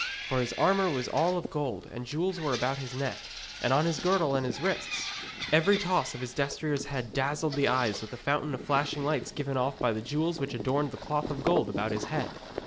For his armour was all of gold, and jewels were about his neck, and on his girdle and his wrists. Every toss of his destrier's head dazzled the eyes with the fountain of flashing lights given off by the jewels which adorned the cloth of gold about its head.